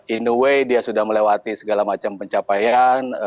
in a way dia sudah melewati segala macam pencapaian